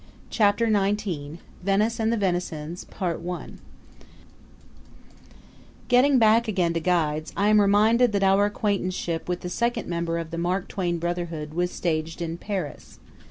Chapter XIX Venice and the Venisons Getting back again to guides, I am reminded that our acquaintanceship with the second member of the Mark Twain brotherhood was staged in Paris.